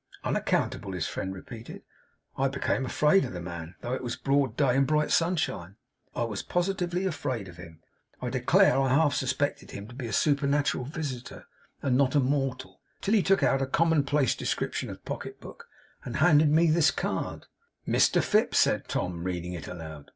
'Unaccountable?' his friend repeated. 'I became afraid of the man. Though it was broad day, and bright sunshine, I was positively afraid of him. I declare I half suspected him to be a supernatural visitor, and not a mortal, until he took out a common place description of pocket book, and handed me this card.' 'Mr Fips,' said Tom, reading it aloud.